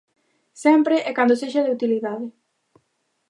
Sempre e cando sexa de utilidade.